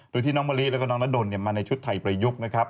บที่นางมวลิและนางนาด่นมาในชุดไทยประยุกต์นะครับ